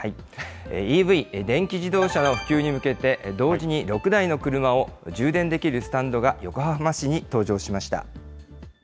ＥＶ・電気自動車の普及に向けて、同時に６台の車を充電できるスタンドが横浜市に登場しました。